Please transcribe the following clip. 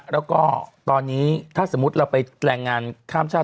แล้วก็ตอนนี้ถ้าสมมุติเราไปแรงงานข้ามชาติ